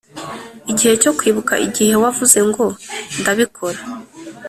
igihe cyo kwibuka igihe wavuze ngo "ndabikora."